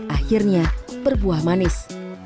akhirnya berbuah manis